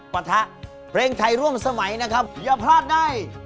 อย่าพลาดในร้องได้ยกกำลังซ่า